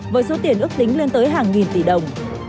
với số tiền ước tính lên tới hàng nghìn tỷ đồng